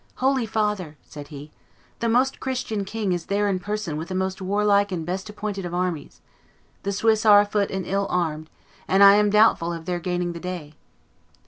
"Holy father," said he, "the Most Christian King is there in person with the most warlike and best appointed of armies; the Swiss are afoot and ill armed, and I am doubtful of their gaining the day."